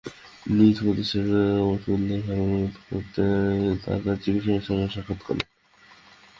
নিজ প্রতিষ্ঠানের ওষুধ লেখার অনুরোধ করতে তাঁরা চিকিৎসকের সঙ্গে সাক্ষাৎ করেন।